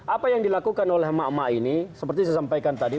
apa yang dilakukan oleh emak emak ini seperti saya sampaikan tadi